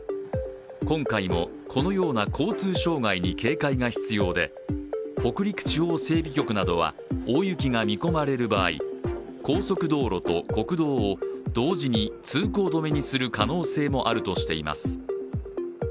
今回もこのような交通障害に警戒が必要で北陸地方整備局などは、大雪が見込まれる場合、高速道路と国道を同時に通行止めにする可能性もあるとしています。